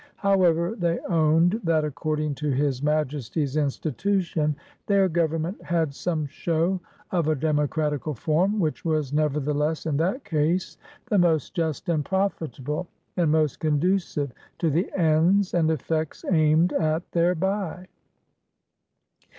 "However, they owned that, according to his Ma jesty's Institution, their Government had some Show of a democratical Form; which was never theless, in that Case, the most just and profitable, and most conducive to the Ends and Effects aimed at thereby.